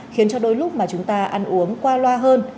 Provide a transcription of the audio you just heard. khiến cho đôi lúc mà chúng ta ăn uống qua loa hơn